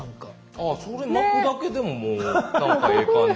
ああそれ巻くだけでももうなんかええ感じ。